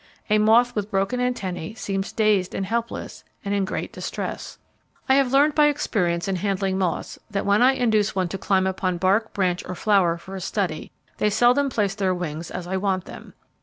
A moth with broken antennae seems dazed and helpless, and in great distress. I have learned by experience in handling moths, that when I induce one to climb upon bark, branch, or flower for a study, they seldom place their wings as I want them.